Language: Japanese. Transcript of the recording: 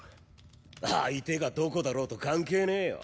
相手がどこだろうと関係ねえよ。